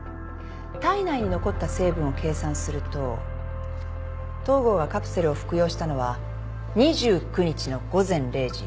体内に残った成分を計算すると東郷がカプセルを服用したのは２９日の午前０時。